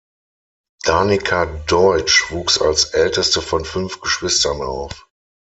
Danica Deutsch wuchs als Älteste von fünf Geschwistern auf.